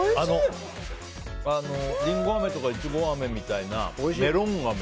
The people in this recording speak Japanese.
リンゴあめとかイチゴあめみたいなメロンあめ。